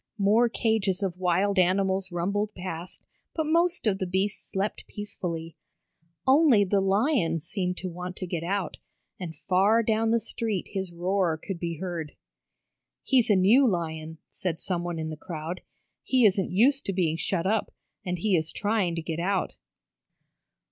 More cages of wild animals rumbled past, but most of the beasts slept peacefully. Only the lion seemed to want to get out, and far down the street his roar could be heard. "He's a new lion," said someone in the crowd. "He isn't used to being shut up, and he is trying to get out."